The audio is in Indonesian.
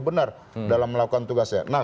benar dalam melakukan tugasnya nah